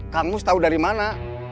kang gus tahu dari mana